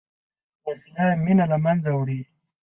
وسله مینه له منځه وړي